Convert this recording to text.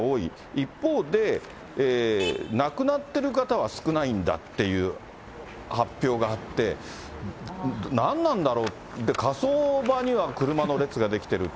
一方で、亡くなっている方は少ないんだっていう発表があって、何なんだろう、で、火葬場には車の列が出来てる。